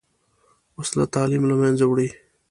وسله تعلیم له منځه وړي